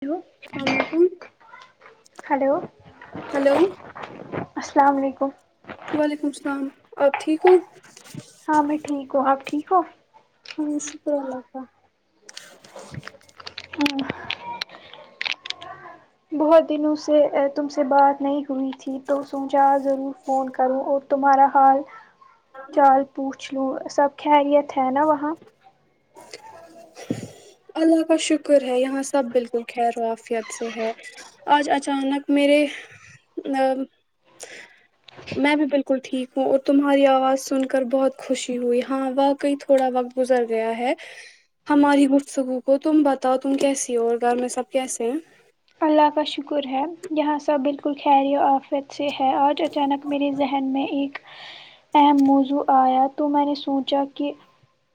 hello السلام علیکم hello hello السلام علیکم وعلیکم السلام آپ ٹھیک ہو ہاں میں ٹھیک ہوں آپ ٹھیک ہوں ہاں شکر اللہ کا ہاں بہت دنوں سے تم سے بات نہیں ہوئی تھی تو سوچا ضرور فون کروں اور تمہارا حال چال پوچھ لو سب خیریت ہے نا وہاں اللہ کا شکر ہے یہاں سب بالکل خیروافیت سے ہے آج اچانک میرے ا [unintelligible] میں بھی بالکل ٹھیک ہوں اور تمہاری آواز سن کر بہت خوشی ہوئی ہاں واقعی تھوڑا وقت گزر گیا ہے ہماری گفتگو کو تم بتاؤ تم کیسی ہو اور گھر میں سب کیسے ہیں اللہ کا شکر ہے یہاں سب بالکل خیر و آفیت سے ہے آج اچانک میرے ذہن میں ایک اہم موضوع آیا ہے تو میں نے سوچا کہ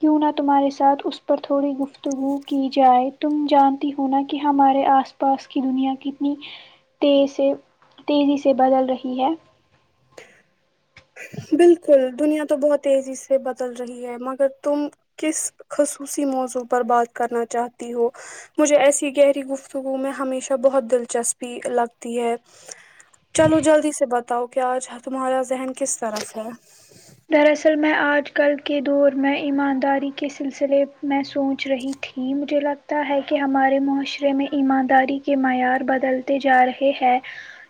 کیوں نہ تمہارے ساتھ اس پر تھوڑی گفتگو کی جائے تم جانتی ہو نا کہ ہمارے آسا پاس کی دنیا کتنی تیز سے تیزی سے بدل رہی ہے ہاں بالکل دنیا تو بہت تیزی سے بدل رہی ہے مگر تم کس خصوصی موضوع پر بات کرنا چاہتی ہو مجھے ایسی گہری گفتگو میں ہمیشہ بہت دلچسپی لگتی ہے چلو جلدی سے بتاؤ کہ آج تمہارا ذہن کس طرف ہے دراصل میں آج کل کے دور میں ایمانداری کے سلسلے میں سوچ رہی تھی تھی مجھے لگتا ہے کہ ہمارے معاشرے میں ایمانداری کے معیار بدلتے جا رہے ہیں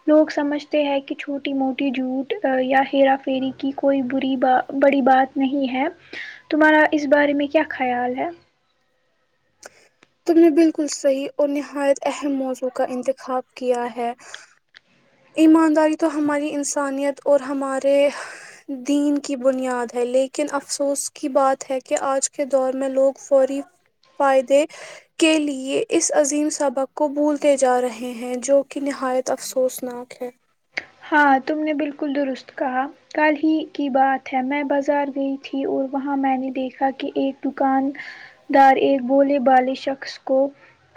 لوگ سمجھتے ہیں کہ چھوٹی موٹی جھوٹ یا ہرا فھیری کی کوئی بھی بری ب بڑی بات نہیں ہے تمہارا اس بارے میں کیا خیال ہے تم نے بالکل صحیح اور نہایت اہم موضوع کا انتخاب کیا ہے ایمانداری تو ہماری انسانیت اور ہمارے دین کی بنیاد ہے لیکن افسوس کی بات ہے کہ آج کے دور میں لوگ فوری فائدے کے لئے اس عظیم سبق کو بھولتے جا رہے ہیں جو کہ نہایت افسوس اپنا خ ہاں تم نے بالکل درست کہا کل ہی کی بات ہے میں بازار گئی تھی اور وہاں میں نے دیکھا کہ ایک دکان دار ایک بولے بالے شخص کو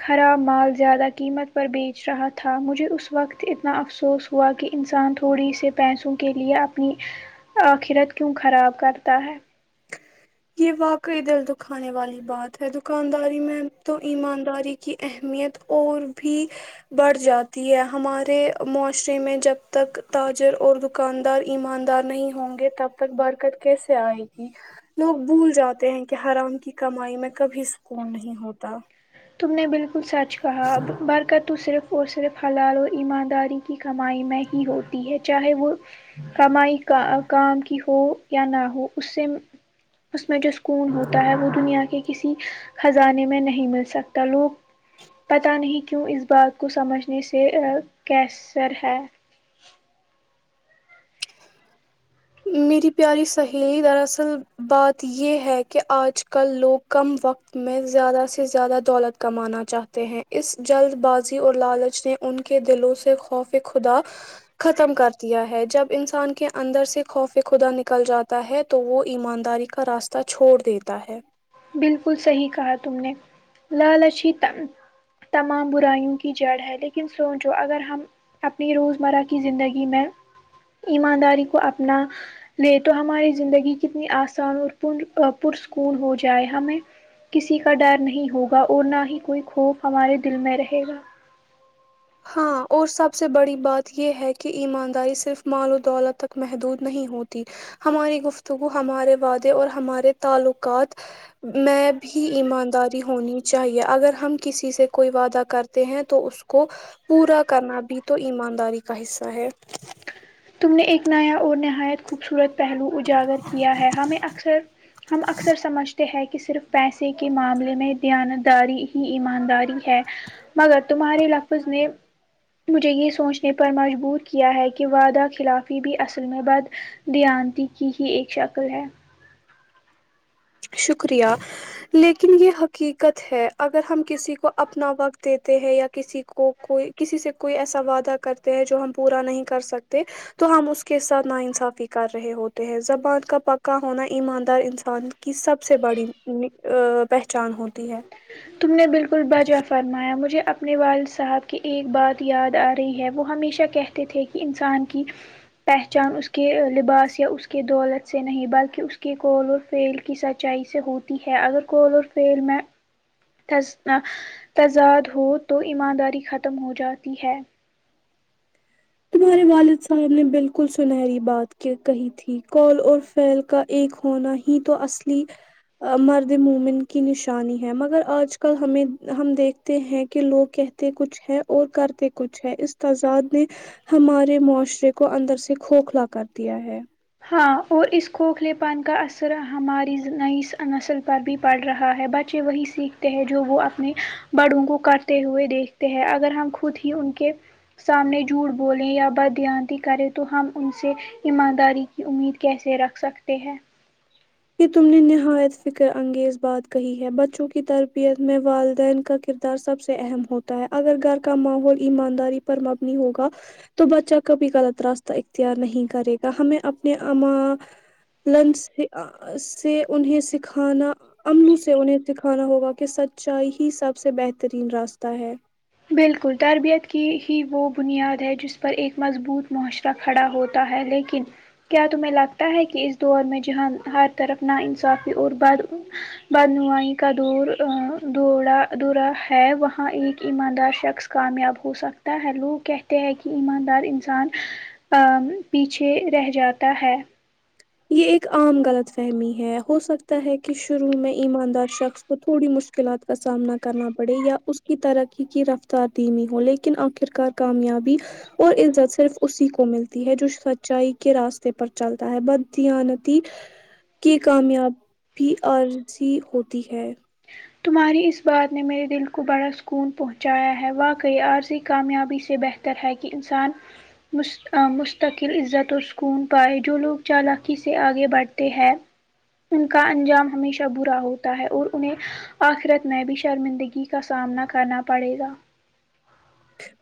خراب مال زیادہ قیمت پر بیچ رہا تھا مجھے اس وقت اتنا افسوس ہوا کہ انسان تھوڑی سے پیسوں کے لیے اپنی آخرت کیوں خراب کرتا ہے یہ واقعی دل دکھانے والی بات ہے دکانداری میں تو ایمانداری کی اہمیت اور بھی بڑھ جاتی ہے ہمارے معاشرے میں جب تک تاجر اور د دکاندار ایماندار نہیں ہوں گے تب تک برکت کیسے آئے گی لوگ بھول جاتے ہیں کہ حرام کی کمائی میں کبھی سکون نہیں ہوتا تم نے بالکل سچ کہا برکت تو صرف اور صرف حلال اور ایمانداری کی کمائی میں ہی ہوتی ہے چاہے وہ کمائی کا کام کی ہو یا نہ ہو اس سے اس میں جو سکون ہوتا ہے وہ دنیا کے کسی خزانے میں نہیں مل سکتا تا لوگ پتہ نہیں کیوں اس بات کو سمجھنے سے کیسر ہے میری پیاری سہیلی دراصل بات یے ہے کہ آج کل لوگ کم وقت میں زیادہ سے زیادہ دولت کمانا چاہتے ہیں اس جلد بازی اور لالچ نے ان کے دلوں سے خوف خدا ختم کر دیا ہے جب انسان کے اندر سے خوف خدا نکل جاتا ہے تو وہ ایمانداری کا راستہ چھوڑ دیتا ہے بالکل صحیح کہا تم نے لالچ ہی تمام برائیوں کی جڑ ہے لیکن سونچو اگر ہم اپنی روزمرہ کی زندگی میں ایمانداری کو اپنا لے تو ہماری زندگی کتنی آسان اور پون پرسکون ہو جائے ائے ہمیں کسی کا ڈر نہیں ہوگا اور نہ ہی کوئی خوف ہمارے دل میں رہے گا ہاں اور سب سے بڑی بات یے ہے کی ایمانداری صرف مال و دولت تک محدود نہیں ہوتی ہماری گفتگو ہمارے وعدے اور ہمارے تعلقات میں بھی ایمانداری ہونی چاہیے اگر ہم کسی سے کوئی وعدہ کرتے ہیں تو اس کو پورا کرنا بھی تو ایمانداری کا حصہ ہے تم نے ایک نیا اور نہایت خوبصورت پہلو اجاگر کیا ہے ہمیں اکثر ہم اکثر سمجھتے ہیں کی صرف پیسے کے معاملے میں دیانتداری ہی ایمانداری ہے مگر تمہارے لفظ نے مجھے یے سوچنے پر مجبور کیا ہے کی وعدہ خلافی بھی اصل میں بددیانتی کی ہی ایک شکل ہے شکریہ لیکن یے حقیقت ہے اگر ہم کسی کو اپنا وقت دیتے ہیں یا کسی کو کوئی کسی سے کوئی ایسا وعدہ کرتے ہیں جو ہم پورا نہیں کر سکتے تو ہم اس کے ساتھ ناانصافی کر رہے ہوتے ہیں زبان کا پکا ہونا ایماندار انسان کی سب سے بڑی پہچان ہوتی ہے تم نے بالکل بجا فرمایا مجھے اپنے والد صاحب کی ایک بات یاد آ رہی ہے وہ ہمیشہ کہتے تھے کی انسان کی پہچان اس کے لباس یا اس کی دولت سے نہیں بلکہ اس کی کول فیل کی سچائی سے ہوتی ہے اگر کول اور فیل میں تضاد ہو تو ایمانداری ختم ہو جاتی ہے تمہارے والد صاحب نے بالکل سنہری بات کہی تھی کال اور فیل کا ایک ہونا ہی تو اصلی مرد مومن کی نشانی ہے مگر آج کل ہمیں ہم دیکھتے ہیں کہ لوگ کہے تے کچھ ہے اور کرتے کچھ ہے اس تزاد نے ہمارے معاشرے کو اندر سے کھوکھلا کر دیا ہے ہاں اور اس کھوکھلے پن کا اثر ہماری نئی نسل پر بھی پڑھ رہا ہے بچے وہی سیکھتے ہیں جو وہ اپنے بڑوں کو کرتے ہوئے دیکھتے ہیں اگر ہم خود ہی ان کے سامنے جھوٹ بولیں یا بددیانتی کریں تو ہم ان سے ایمانداری امید کیسے رکھ سکتے ہیں یے تم نے نہایت فکر انگیز بات کہی ہے بچوں کی تربیت میں والدین کا کر دار سب سے اہم ہوتا ہے اگر گھر کا ماحول ایمانداری پر مبنی ہوگا تو بچہ کبھی غلط راستہ اختیار نہیں کرے گا ہمیں اپنے لن سے انہیں سکھانا امنو سے انہیں سکھانا ہوگا کہ سچائی ہی سب سے بہترین راستہ ہے بالکل تربیت کی ہی وہ بنیاد ہے جس پر ایک مضبوط معاشرہ کھڑا ہوتا ہے لیکن کیا تمہیں لگتا ہے کہ اس دور میں جہاں ہر طرف ناانصافی اور بد بد نوائی کا دورا دورا ہے وہاں ایک ایمان دار شخص کامیاب ہو سکتا ہے لوگ کہتے ہیں کہ ایماندار انسان آ پیچھے رہ جاتا ہے یہ ایک عام غلط فہمی ہے ہو سکتا ہے کہ شروع میں ایماندار شخص کو تھوڑی مشکلات کا سامنا کرنا پڑے یا اس کی ترقی کی رفتار دمی ہو لیکن آخر کار کامیابی اور عزت صرف اسی کو ملتی ہے جو سچائی کے راستے پر چلتا ہے بٹ تانتی کی کامیابی عرضی ہوتی ہے تمہاری اس بات نے میرے دل کو بڑا سکون پہنچایا ہے واقعی عارضی کامیابی سے بہتر طر ہے کہ انسان مستقل عزت اور سکون پائے جو لوگ چالاکی سے آگے بڑھتے ہیں ان کا انجام ہمیشہ برا ہوتا ہے اور انہیں آخرت میں بھی شرمندگی کا سامنا کرنا پڑے گا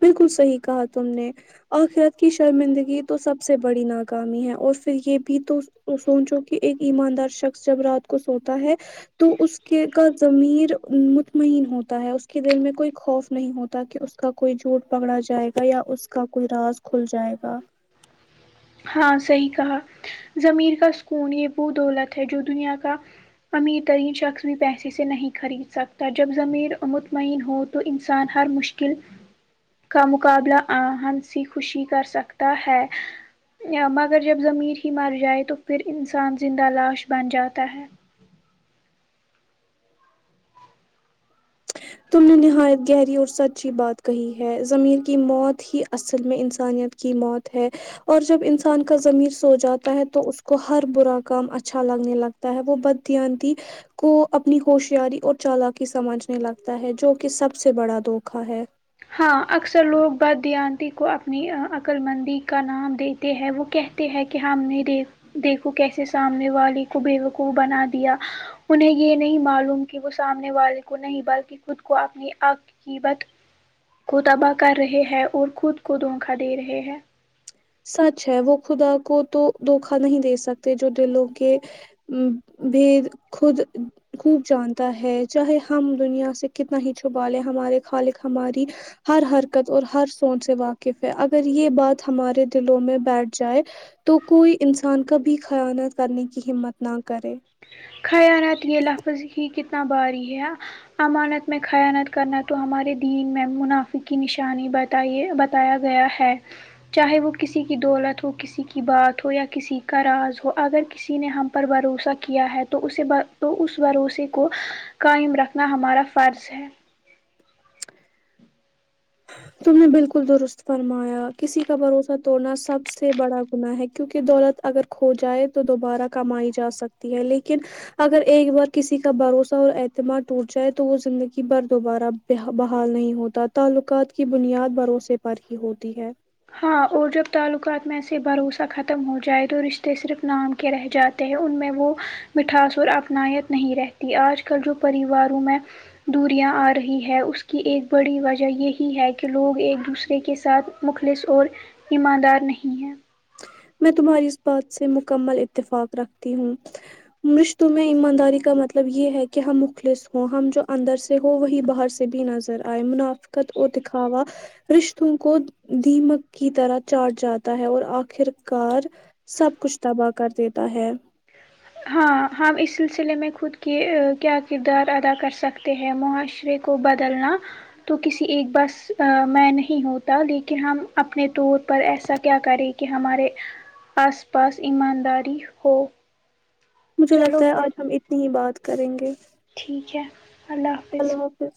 بالکل صحیح کہا تم نے آخرت کی شرمندگی تو سب سے بڑی ناکامی ہے اور پھر یہ بھی تو سونچو کہ ایک ایماندار شخص جب رات کو سوتا ہے تو اس کے کا زضمیر مطمئن ہوتا ہے اس کے دل میں کوئی خوف نہیں ہوتا کہ اس کا کوئی جھوٹ پکڑا جائے گا یا اس کا کوئی راز کھل جائے گا ہاں صحیح کہا زضمیر کا سکون یہ وہ دولت ہے جو دنیا کا امیر ترین شخص بھی پیسے سے نہیں خرید سکتا جب ضمیر مطمئن ہو تو انسان ہر مشکل کا مقابلہ ہنسی خوشی کر سکتا ہے مگر جب زمیر ہی مر جائے تو پھر انسان زندہ لاش بن جاتا ہے تم نے نہایت گہری اور سچی بات کہی ہے زمیر کی موت ہی اصل میں انسانیت کی موت ہے اور جب انسان کا زمیر سو جاتا ہے تو اس کو ہر برا کام اچھا لگنے لگتا ہے وہ بدیاندتی کو اپنی ہوشیاری اور چالقی سمجھنے لگتا تا ہے جو کہ سب سے بڑا دھوکا ہے ہاں اکثر لوگ بدانتی کو اپنی عقل مندی کا نام دےتے ہیں وہ کہتے ہیں کہ ہم نہیں دیک دیکھو کیسے سامنے والے کو بیکوف بنا دیا انہیں یہ نہیں معلوم کہ وہ سامنے والے کو نہیں بلکہ خود کو اپنی آکھ کی بٹ کو تباہ کر رہے ہے اور خود کو دھوکا دے رہے ہے سچ ہے وہ خدا کو تو دھوکا نہیں دے سکتے جو دلوں کے ا بھی خود خوب جانتا ہے چاہے ہم دنیا سے کتنا ہی چھپا لے ہمارے خالق ہماری ہر حرکت اور ہر سونچ سے واقف ہے اگر یہ بات ہمارے دلوں میں بیٹھ جائے تو کوئی انسان کا بھی خیاانات کرنے کی ہمت نہ کرے خیالات یہ لفظ ہی کتنا باری ہے امانت میں خیانت کرنا تو ہمارے دین میں منافع کی نشانی بچ بت بتایا گیا ہے چاہے وہ کسی کی دولت ہو کسی کی بات ہو یا کسی کا راز ہو اگر کسی نے ہم پر بھروسہ کیا ہے تو اس بھروسے کو قائم رکھنا ہمارا فرض ہے تم نے بالکل درست فرمایا کسی کا بھروسہ توڑنا سب سے بڑا گنااہ ہے کیونکہ دولت اگر کھو جائے تو دوبارہ کمائی جاسکتی ہے لیکن اگر ایک بار کسی کا بھروسہ اور اعتماد ٹوٹ جائے تو وہ زندگی بھر دوبارہ بحال نہیں ہوتا تعلقات کی بنیاد بھروسے پر ہی ہوتی ہے ہاں اور جب تعلقات میں ایسے بھروسہ ختم ہو جائے تو رشتے صرف نام کے رہ جاتے ہیں ان میں وہ مٹھاس اور اپنایت نہیں رہتی آج کل جو پریواروں میں دوریاں آ رہی ہے اس کی ایک بڑی وجہ یہی ہے کہ لوگ ایک دوسرے کے ساتھ مخ لص اور ایماندار نہیں ہیں میں تمہاری اس بات سے مکمل اتفاق رکھتی ہوں مشتوں میں ایمانداری کا مطلب یہ ہے کہ ہم مخلص ہوں ہم جو اندر سے ہو وہی باہر سے بھی نظر آئے منافقت و دکھاوا رشتوں کو دھیمک کی طرح چاٹ جاتا ہے اور آخر کار سب کچھ تباہ کر دیتا ہے ہاں ہم اس سلسلے میں خود کی کیا کردار ادا کر سکتے ہیں معاشرے کو بدلنا تو کسی ایک بس میں نہیں ہوتا لیکن ہم اپنے طور پر ایسا کیا کریں کہ ہمارے آس پاس ایمانداری ہو مجھے چلو لگتا ہے پھر آج ہم اتنی ہی بات کریں گے ٹھیک ہے اللہ حافظ جچ